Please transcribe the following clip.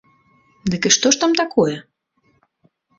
Дык і што ж там такое?